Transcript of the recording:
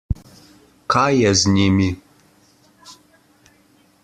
Kaj je z njimi?